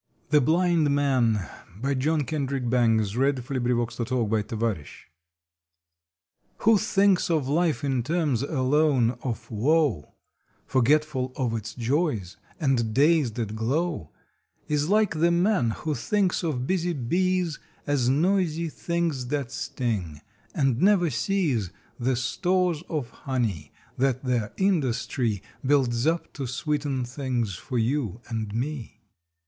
e, To know tis there for me to look up to. October Eleventh THE BLIND MAN 1717 HO thinks of life in terms alone of woe, Forgetful of its joys and days that glow, Is like the man who thinks of busy bees As noisy things that sting, and never sees The stores of honey that their industry Builds up to sweeten things for you and me.